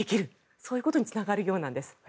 そういうことにつながるようなんです。